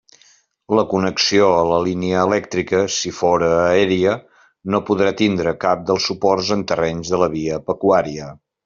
La connexió a la línia elèctrica, si fóra aèria, no podrà tindre cap dels suports en terrenys de la via pecuària.